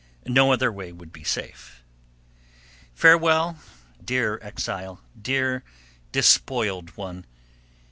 No other way would be safe. Farewell, dear exile, dear despoiled one.